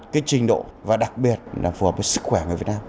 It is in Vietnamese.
cái trình độ và đặc biệt là phù hợp với sức khỏe người việt nam